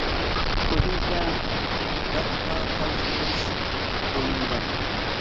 قوشۇمچە راكقا قارشى تۇرۇش رولىمۇ بار.